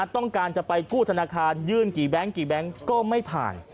ต้องการจะไปกู้ธนาคารยื่นกี่แบงค์กี่แบงค์ก็ไม่ผ่าน